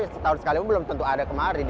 setahun sekali pun belum tentu ada kemari